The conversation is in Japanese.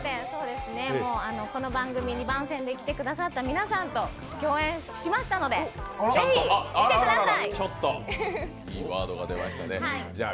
この番組に番宣で来てくださった皆さんと共演していますのでぜひ、見てください！